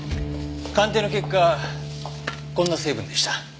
鑑定の結果こんな成分でした。